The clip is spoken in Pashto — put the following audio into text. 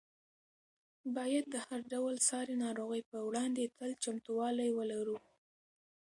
باید د هر ډول ساري ناروغۍ په وړاندې تل چمتووالی ولرو.